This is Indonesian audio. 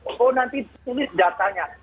oh nanti sulit datanya